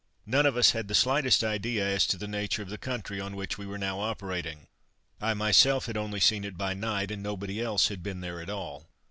None of us had the slightest idea as to the nature of the country on which we were now operating. I myself had only seen it by night, and nobody else had been there at all.